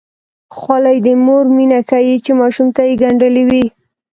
خولۍ د مور مینه ښيي چې ماشوم ته یې ګنډلې وي.